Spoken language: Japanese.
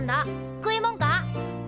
食いもんか？